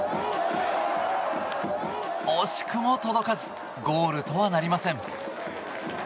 惜しくも届かずゴールとはなりません。